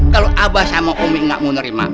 kalau abah sama umi gak mau nerima